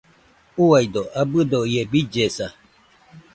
Uaido, abɨdo ie billesa.